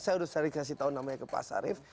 saya sudah kasih tahu namanya ke pak sarif